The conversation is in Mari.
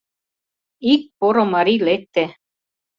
Ик поро марий лекте.